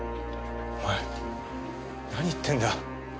お前何言ってんだよ。